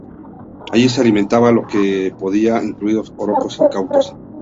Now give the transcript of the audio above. Allí se alimentaba de lo que podía, incluidos orcos incautos.